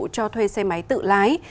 cho thuê xe máy tự lái